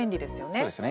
そうですよね。